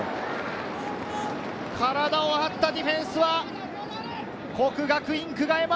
体を張ったディフェンスは國學院久我山。